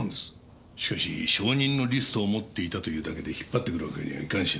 しかし証人のリストを持っていたというだけで引っ張ってくるわけにはいかんしな。